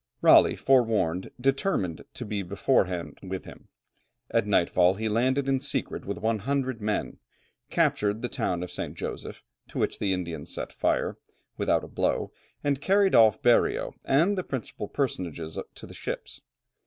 Raleigh, forewarned, determined to be beforehand with him. At nightfall he landed in secret with 100 men, captured the town of St. Joseph, to which the Indians set fire, without a blow, and carried off Berreo and the principal personages to the ships.